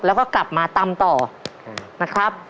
แล้วก็กลับมาตำต่อนะครับ